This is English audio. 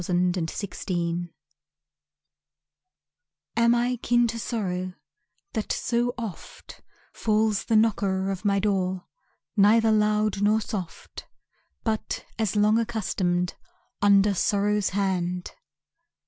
Kin to Sorrow Am I kin to Sorrow, That so oft Falls the knocker of my door Neither loud nor soft, But as long accustomed, Under Sorrow's hand?